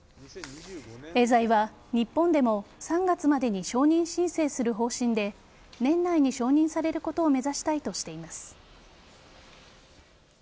エーザイは日本でも３月までに承認申請する方針で年内に承認されることを目指したいとしています。